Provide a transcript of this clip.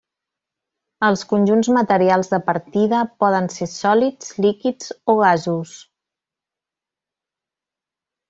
Els conjunts materials de partida poden ser sòlids, líquids o gasos.